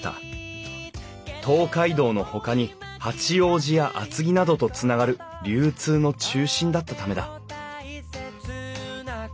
東海道のほかに八王子や厚木などとつながる流通の中心だったためだ